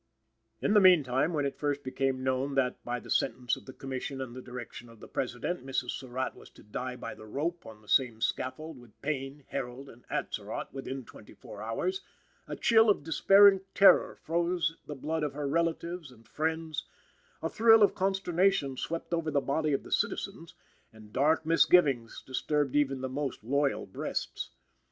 In the meantime, when it first became known that, by the sentence of the Commission and the direction of the President, Mrs. Surratt was to die by the rope on the same scaffold with Payne, Herold and Atzerodt within twenty four hours, a chill of despairing terror froze the blood of her relatives and friends, a thrill of consternation swept over the body of the citizens, and dark misgivings disturbed even the most loyal breasts.